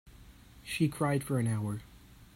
She cried for an hour.